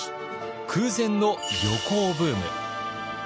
空前の旅行ブーム。